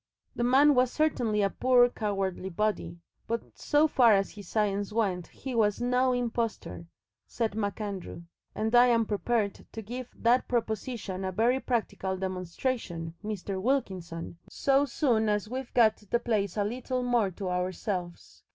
"The man was certainly a poor, cowardly body, but so far as his science went he was NO impostor," said MacAndrew, "and I'm prepared to give that proposition a very practical demonstration, Mr. Wilkinson, so soon as we've got the place a little more to ourselves.